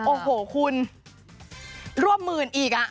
โอ้โหคุณร่วมหมื่นอีกอ่ะ